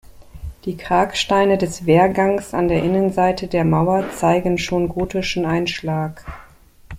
Die Kragsteine des Wehrgangs an der Innenseite der Mauer zeigen schon gotischen Einschlag.